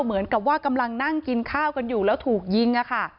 เหมือนกับว่ากำลังนั่งกินข้าวกันอยู่แล้วถูกยิงอะค่ะ